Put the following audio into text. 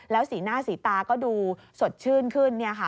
แล้วสีหน้าสีตาก็ดูสดชื่นขึ้นเนี่ยค่ะ